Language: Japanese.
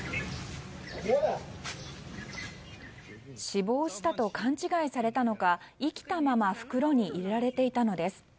死亡したと勘違いされたのか生きたまま袋に入れられていたのです。